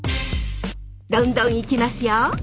どんどんいきますよ！